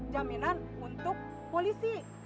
jaminan untuk polisi